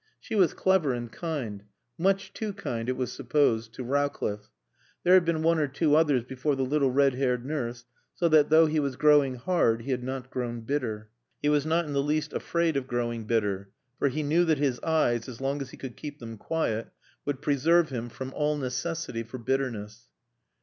She was clever and kind much too kind, it was supposed to Rowcliffe. There had been one or two others before the little red haired nurse, so that, though he was growing hard, he had not grown bitter. He was not in the least afraid of growing bitter; for he knew that his eyes, as long as he could keep them quiet, would preserve him from all necessity for bitterness.